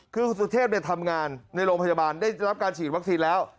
คือคุณสุเทพทำงานในโรงพยาบาลได้รับการฉีดวัคซีนแล้ว